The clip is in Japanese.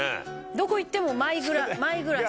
どこ行ってもマイグラス。